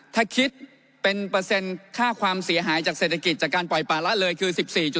ถ้าคิดเป็นเปอร์เซ็นต์ค่าความเสียหายจากเศรษฐกิจจากการปล่อยป่าละเลยคือ๑๔